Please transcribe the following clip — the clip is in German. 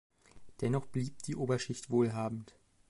Dennoch blieb die Oberschicht wohlhabend.